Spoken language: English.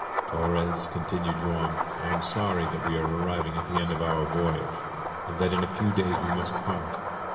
"Torres," continued Joam, "I am sorry that we are arriving at the end of our voyage, and that in a few days we must part!